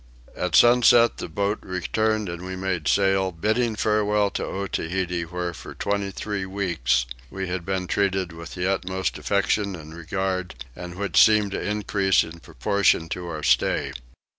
At sunset the boat returned and we made sail, bidding farewell to Otaheite where for twenty three weeks we had been treated with the utmost affection and regard, and which seemed to increase in proportion to our stay.